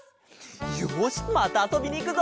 よしまたあそびにいくぞ。